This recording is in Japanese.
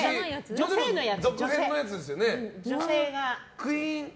女性のやつですよね。